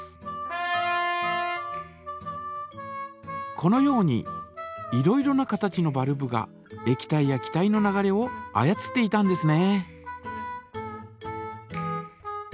このようにいろいろな形のバルブがえき体や気体の流れを操っていたんですね。